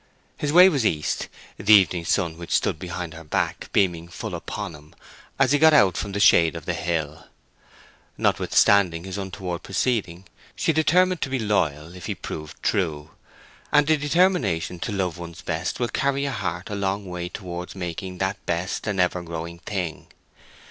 His way was east, the evening sun which stood behind her back beaming full upon him as soon as he got out from the shade of the hill. Notwithstanding this untoward proceeding she was determined to be loyal if he proved true; and the determination to love one's best will carry a heart a long way towards making that best an ever growing thing.